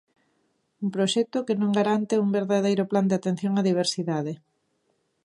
Un proxecto que non garante un verdadeiro plan de atención á diversidade.